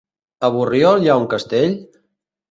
A Borriol hi ha un castell?